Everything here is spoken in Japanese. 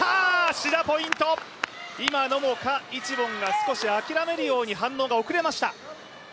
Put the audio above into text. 志田ポイント、今のも賈一凡が少し諦めるように、少し反応が遅れました。